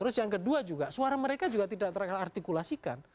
suara mereka juga tidak terartikulasikan